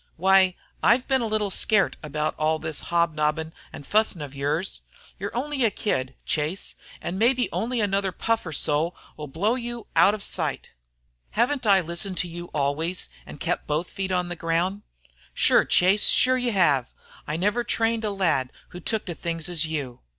"Why, I've been a little scairt of all this hobnobbin' an' fussin' of yours. You're only a kid, Chase. An' mebbe only another puff or so 'll blow you out of sight." "Haven't I listened to you always and kept both feet on the ground?" "Shure, Chase, shure you have. I never trained a lad who took to things as you."